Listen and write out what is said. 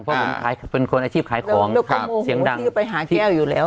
เพราะผมขายเป็นคนอาชีพขายของเจ้าของเสียงไปหาแก้วอยู่แล้ว